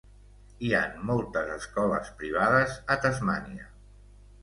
Hi han moltes escoles privades a Tasmània.